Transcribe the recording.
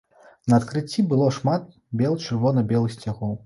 На адкрыцці было шмат бел-чырвона-белых сцягоў.